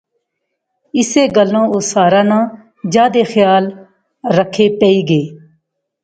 اسے گلاہ او ساحرہ ناں جادے خیال رکھے پئی گے